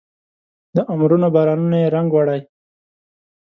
د عمرونو بارانونو یې رنګ وړی